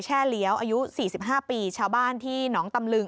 เลี้ยวอายุ๔๕ปีชาวบ้านที่หนองตำลึง